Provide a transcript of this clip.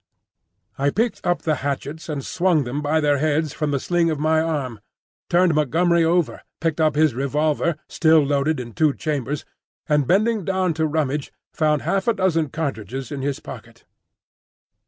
I picked up the hatchets and swung them by their heads from the sling of my arm; turned Montgomery over; picked up his revolver still loaded in two chambers, and bending down to rummage, found half a dozen cartridges in his pocket.